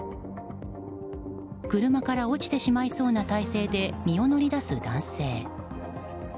車から落ちてしまいそうな体勢で身を乗り出す男性。